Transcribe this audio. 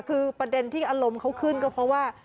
คือประเด็นที่อารมณ์เขาขึ้นก็เพราะว่า